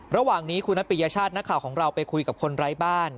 ระหว่างนี้คุณนัทปิยชาตินักข่าวของเราไปคุยกับคนไร้บ้าน